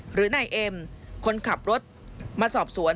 หรือนายเอ็มคนขับรถมาสอบสวน